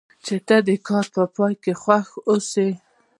چې ته د کار په پای کې خوښ اوسې.